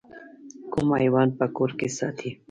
کوم حیوان په کور کې ساتئ؟